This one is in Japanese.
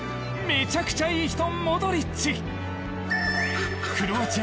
めちゃくちゃいい人、モドリッチ。